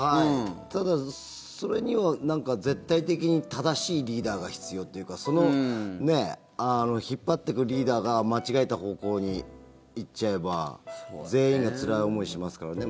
ただ、それには絶対的に正しいリーダーが必要というか引っ張ってくリーダーが間違えた方向に行っちゃえば全員がつらい思いしますからね。